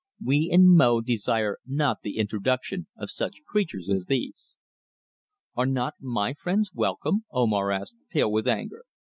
"We in Mo desire not the introduction of such creatures as these." "Are not my friends welcome?" Omar asked, pale with anger.